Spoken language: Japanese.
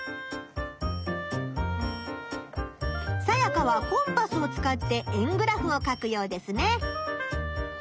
サヤカはコンパスを使って円グラフを書くようですね！